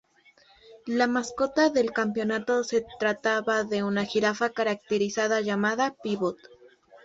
La mascota del campeonato se trataba de una jirafa caracterizada llamada "Pívot".